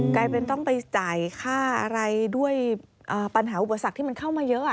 กลายเป็นต้องไปจ่ายค่าอะไรด้วยปัญหาอุปสรรคที่มันเข้ามาเยอะ